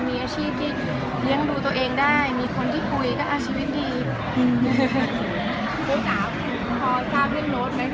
มีอาชีพที่เลี้ยงดูตัวเองได้มีคนที่คุยก็อาชีพยังดี